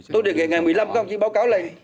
tôi đề nghị ngày một mươi năm không chí báo cáo lên